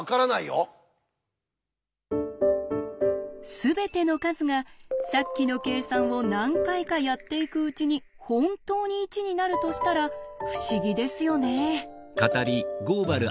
すべての数がさっきの計算を何回かやっていくうちに本当に１になるとしたら不思議ですよね。